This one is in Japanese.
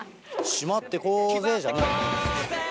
「しまってこうぜ」じゃない。